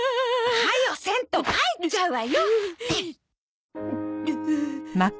早よせんと帰っちゃうわよ！